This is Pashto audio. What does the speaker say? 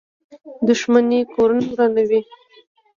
• دښمني کورونه ورانوي.